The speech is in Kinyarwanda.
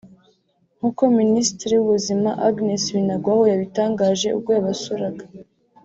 nk’uko Minisitiri w’Ubuzima Agnes Binagwaho yabitangaje ubwo yabasuraga